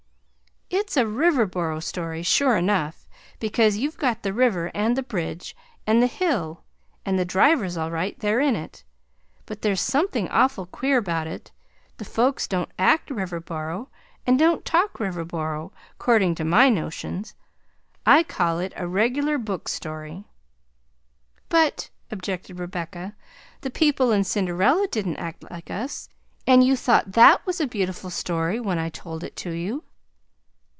"It's a Riverboro story, sure enough, because you've got the river and the bridge and the hill and the drivers all right there in it; but there's something awful queer bout it; the folks don't act Riverboro, and don't talk Riverboro, cordin' to my notions. I call it a reg'lar book story." "But," objected Rebecca, "the people in Cinderella didn't act like us, and you thought that was a beautiful story when I told it to you."